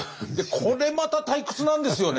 これまた退屈なんですよね。